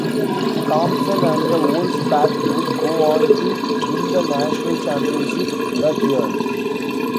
Thompson and the Wolfpack would go on to win the national championship that year.